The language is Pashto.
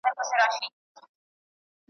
لېونوته په کار نه دي تعبیرونه